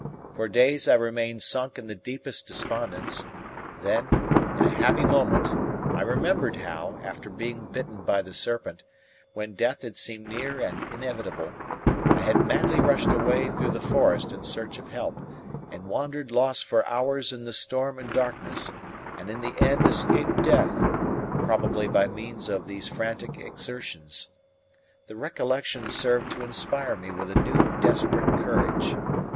For days I remained sunk in the deepest despondence; then, in a happy moment, I remembered how, after being bitten by the serpent, when death had seemed near and inevitable, I had madly rushed away through the forest in search of help, and wandered lost for hours in the storm and darkness, and in the end escaped death, probably by means of these frantic exertions. The recollection served to inspire me with a new desperate courage.